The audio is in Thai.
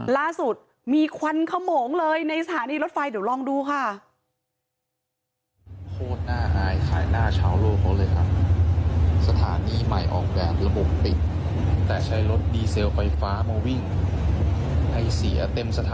ล่าสุดมีควันขโมงเลยในสถานีรถไฟเดี๋ยวลองดูค่ะ